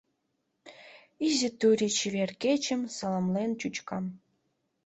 Изи турий чевер кечым саламлен чӱчка.